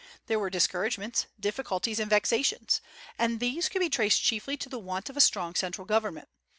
There were discouragements, difficulties, and vexations; and these could be traced chiefly to the want of a strong central government.